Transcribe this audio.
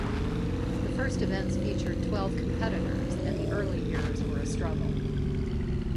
The first events featured twelve competitors, and the early years were a struggle.